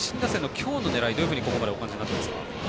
今日の狙い、どういうふうに今日は、お感じになっていますか。